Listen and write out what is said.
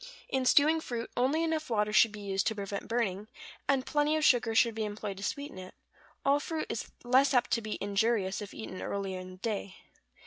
In stewing fruit only enough water should be used to prevent burning, and plenty of sugar should be employed to sweeten it; all fruit is less apt to be injurious if eaten early in the day.